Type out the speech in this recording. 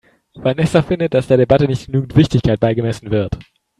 Vanessa findet, dass der Debatte nicht genügend Wichtigkeit beigemessen wird.